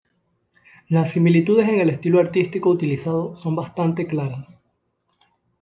Las similitudes en el estilo artístico utilizado son bastante claras.